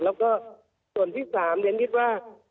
แล้วก็ส่วนที่สามน้องเหนือนก็คิดว่า